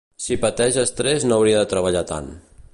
Si pateix estrès no hauria de treballar tant.